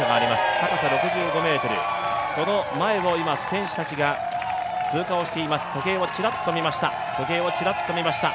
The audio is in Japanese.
高さ６５ｍ、その前を今、選手たちが通過しています、時計をちらっと見ました。